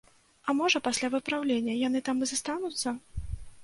А можа, пасля выпраўлення яны там і застануцца?